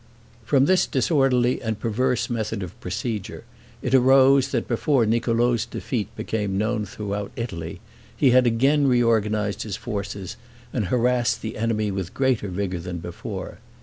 From this disorderly and perverse method of procedure, it arose, that before Niccolo's defeat became known throughout Italy, he had again reorganized his forces, and harassed the enemy with greater vigor than before.